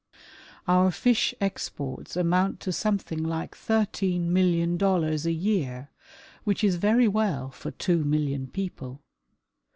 Our fish exports amount to something like thirteen million dollars a year, which is very well for two million peo2)le.